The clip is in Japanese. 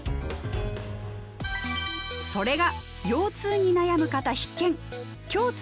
それが腰痛に悩む方必見！